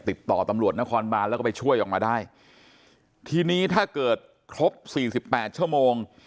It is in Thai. ติดต่อตำรวจนครบานแล้วก็ไปช่วยออกมาได้ทีนี้ถ้าเกิดครบสี่สิบแปดชั่วโมง